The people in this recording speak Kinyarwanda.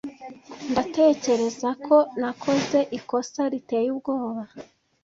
Ndatekereza ko nakoze ikosa riteye ubwoba.